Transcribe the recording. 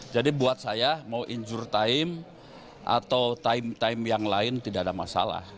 jadi buat saya mau injure time atau time time yang lain tidak ada masalah